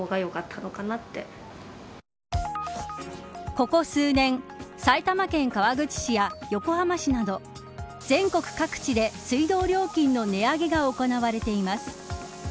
ここ数年埼玉県川口市や横浜市など全国各地で水道料金の値上げが行われています。